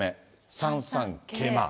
３三桂馬。